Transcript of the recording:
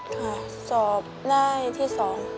ค่ะสอบได้ที่๒